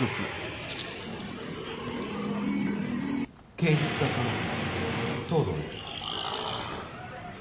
・刑事企画課の東堂です。